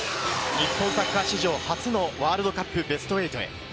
日本サッカー史上初のワールドカップベスト８へ。